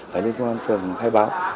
phải lên công an phường khai báo